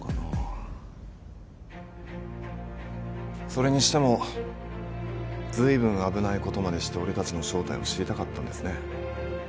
それにしてもずいぶん危ないことまでして俺たちの正体を知りたかったんですね。